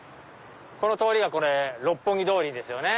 この通りが六本木通りですよね。